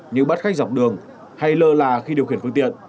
như bắt khách dọc đường hay lơ là khi điều khiển phương tiện